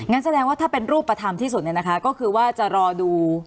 แสดงว่าถ้าเป็นรูปธรรมที่สุดเนี่ยนะคะก็คือว่าจะรอดู